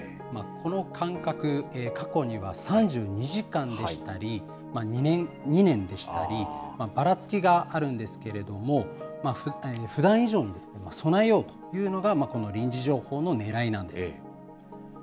この間隔、過去には３２時間でしたり、２年でしたり、ばらつきがあるんですけれども、ふだん以上に備えようというのが、この臨時情報のねらいなんです。